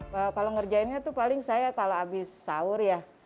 kalau ngerjainnya itu paling saya kalau habis sahur ya